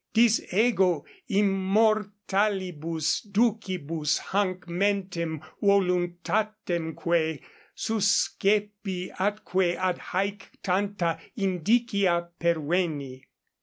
Dis ego immortalibus ducibus hanc mentem voluntatemque suscepi atque ad haec tanta indicia perveni.